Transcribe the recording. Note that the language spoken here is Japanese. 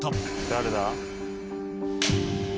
「誰だ？」